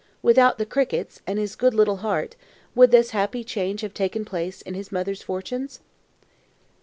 Without the crickets, and his good little heart, would this happy change have taken place in his mother's fortunes?